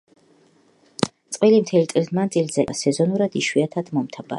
წყვილი მთელი წლის მანძლზე ერთ ტერიტორიაზე რჩება, სეზონურად იშვიათად მომთაბარეობს.